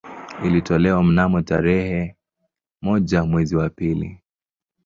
Ilitolewa mnamo tarehe moja mwezi wa pili